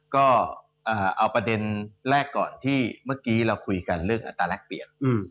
ก็เอาประเด็นแรกก่อนที่เมื่อกี้เราคุยกันเรื่องอัตราแรกเปรียบ